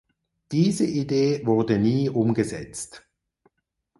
Diese Idee wurde nie umgesetzt.